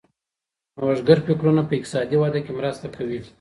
نوښتګر فکرونه په اقتصادي وده کي مرسته کوي.